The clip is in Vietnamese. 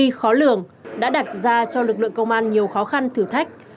bạn tinh vi khó lường đã đặt ra cho lực lượng công an nhiều khó khăn thử thách